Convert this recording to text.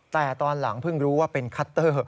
แต่ตอนหลังเพิ่งรู้ว่าเป็นคัตเตอร์